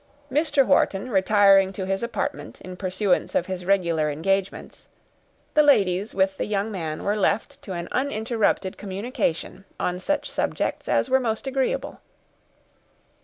Mr. Wharton retiring to his apartment, in pursuance of his regular engagements, the ladies, with the young man, were left to an uninterrupted communication on such subjects as were most agreeable.